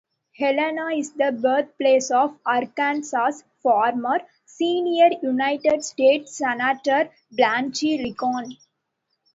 Helena is the birthplace of Arkansas' former Senior United States Senator Blanche Lincoln.